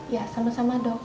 ya sama sama dok